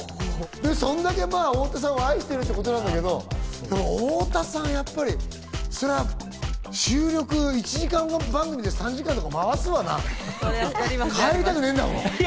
そんだけ太田さんを愛してるってことだけど太田さん、やっぱり収録、１時間番組で３０分とか回すわな、帰りたくねえんだもん。